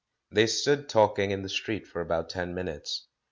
They stood talking in the street for about ten minutes.